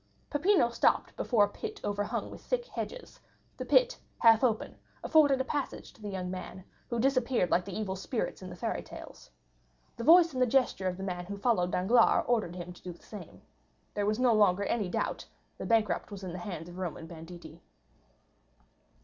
Peppino stopped before a rock overhung by thick hedges; the rock, half open, afforded a passage to the young man, who disappeared like the evil spirits in the fairy tales. The voice and gesture of the man who followed Danglars ordered him to do the same. There was no longer any doubt, the bankrupt was in the hands of Roman banditti.